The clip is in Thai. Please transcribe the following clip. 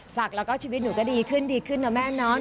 สักแล้วก็ชีวิตหนูขึ้นดีขึ้นเลยแม่นะ